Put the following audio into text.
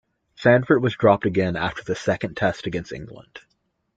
Sanford was dropped again after the second Test against England.